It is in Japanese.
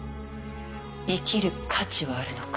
「生きる価値はあるのか？」